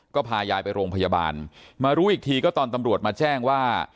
ก็พายายไปโรงพยาบาลมารู้อีกทีก็ตอนตำรวจมาแจ้งว่า